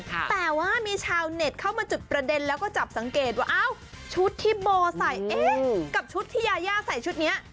แต่ว่ามีชาวเน็ตเข้ามาจุดประเด็นแล้วก็จับสังเกตว่าอ้าวชุดที่โบใส่เอ๊ะกับชุดที่ยายาใส่ชุดนี้